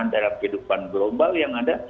dalam kehidupan global yang ada